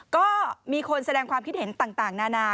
ก็มีคนแสดงความคิดเห็นต่างนานา